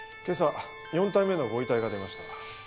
今朝４体目のご遺体が出ました。